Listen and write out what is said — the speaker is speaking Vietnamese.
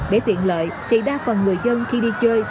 để tiện lợi thì đa phần người dân khi đi chơi